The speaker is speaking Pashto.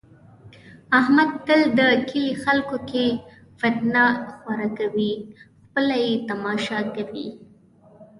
احمد تل د کلي خلکو کې فتنه خوره کوي، خپله یې تماشا کوي.